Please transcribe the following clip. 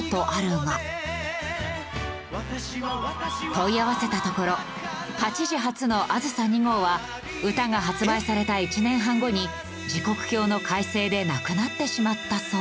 問い合わせたところ８時発のあずさ２号は歌が発売された１年半後に時刻表の改正でなくなってしまったそう。